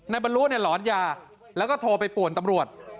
บรรลุหลอนยาแล้วก็โทรไปป่วนตำรวจ